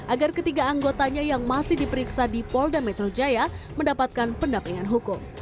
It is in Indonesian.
agar ketiga anggotanya yang masih diperiksa di polda metro jaya mendapatkan pendampingan hukum